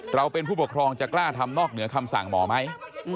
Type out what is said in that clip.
เราเป็นผู้ปกครองจะกล้าทำนอกเหนือคำสั่งหมอไหม